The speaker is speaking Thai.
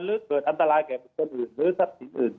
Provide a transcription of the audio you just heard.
หรือเกิดอันตรายแก่ผู้ชนอื่นหรือทัศนอื่น